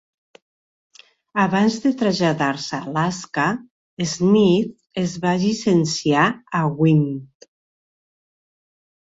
Abans de traslladar-se a Alaska, Smith es va llicenciar a Wm.